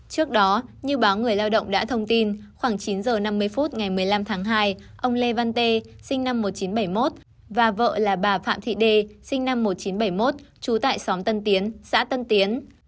trước đó như báo người lao động đã thông tin khoảng chín h năm mươi phút ngày một mươi năm tháng hai ông lê văn tê sinh năm một nghìn chín trăm bảy mươi một và vợ là bà phạm thị đê sinh năm một nghìn chín trăm bảy mươi một trú tại xóm tân tiến xã tân tiến